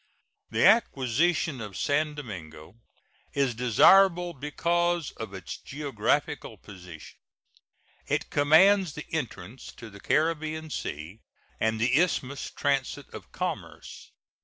The acquisition of San Domingo is desirable because of its geographical position. It commands the entrance to the Caribbean Sea and the Isthmus transit of commerce.